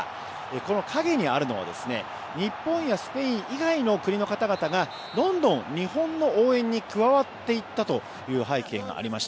この陰にあるのは日本やスペイン以外の国の方々がどんどん日本の応援に加わっていったという背景があります。